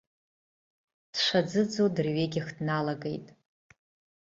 Дшәа-ӡыӡо дырҩегьых дналагеит.